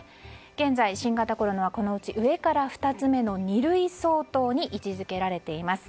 現在、新型コロナは、このうち上から２つ目の二類相当に位置づけられています。